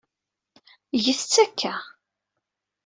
Get-t akka.